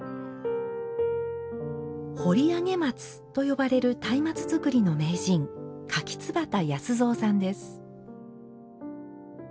「放り上げ松」と呼ばれる松明作りの名人杜若安三さんです。